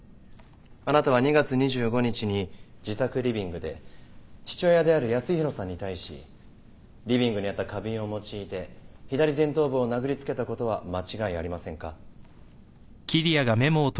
あなたは２月２５日に自宅リビングで父親である康弘さんに対しリビングにあった花瓶を用いて左前頭部を殴りつけたことは間違いありませんか？